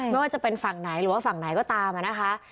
ไม่ว่าจะเป็นฝั่งไหนหรือว่าฝั่งไหนก็ตามนะคะ